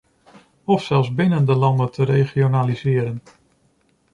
Of zelfs binnen de landen te regionaliseren?